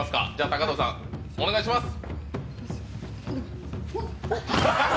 高藤さん、お願いします！